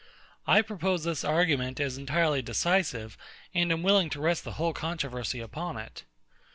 I propose this argument as entirely decisive, and am willing to rest the whole controversy upon it.